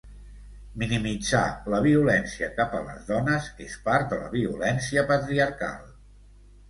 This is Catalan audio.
Minimitzar la violència cap a les dones és part de la violència patriarcal.